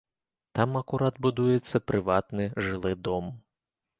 Там акурат будуецца прыватны жылы дом.